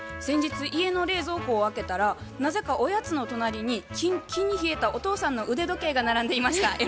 先日家の冷蔵庫を開けたらなぜかおやつの隣にキンキンに冷えたお父さんの腕時計が並んでいました。